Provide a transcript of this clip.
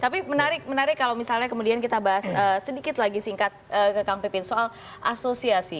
tapi menarik kalau misalnya kemudian kita bahas sedikit lagi singkat ke kang pipin soal asosiasi